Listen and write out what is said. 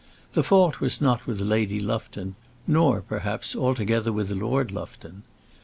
The fault was not with Lady Lufton; nor, perhaps, altogether with Lord Lufton.